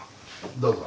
どうぞ。